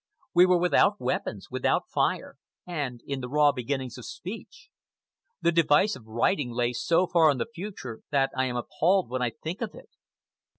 We were without weapons, without fire, and in the raw beginnings of speech. The device of writing lay so far in the future that I am appalled when I think of it.